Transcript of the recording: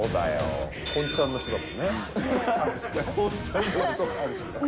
本ちゃんの人だもんね。